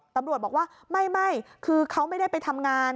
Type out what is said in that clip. ตำรวจบอกว่าไม่คือเขาไม่ได้ไปทำงาน